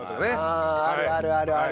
あああるあるあるある。